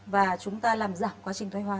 và chúng ta làm giảm quá trình thoải hóa